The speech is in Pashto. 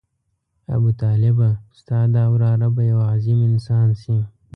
ابوطالبه ستا دا وراره به یو عظیم انسان شي.